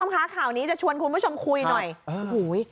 ของค่านะครับข่าวนี้จะชวนคุณผู้ชมคุยหน่อย